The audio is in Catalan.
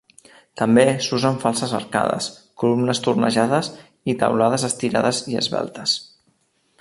També s'usen falses arcades, columnes tornejades i teulades estirades i esveltes.